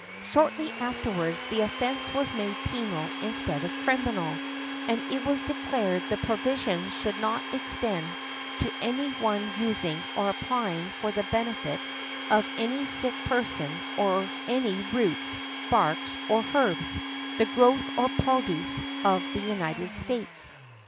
Shortly afterwards the offence was made penal instead of criminal, and it was declared the provisions should not extend to any one using or applying for the benefit of any sick person any roots, barks, or herbs, the growth or produce of the United States.